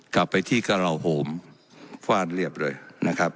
กลับไปที่กระลาโหมฟาดเรียบเลยนะครับ